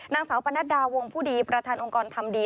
นางสาวประณะดาวงค์ผู้ดีประธานองค์กรธรรมดี